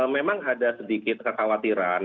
memang ada sedikit kekhawatiran